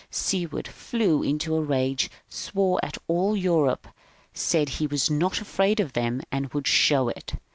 Seward flew into a rage, swore at all Europe, said he was not afraid of them and would show it.